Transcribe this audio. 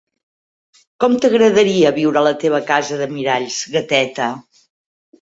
Com t'agradaria viure a la teva casa de miralls, gateta?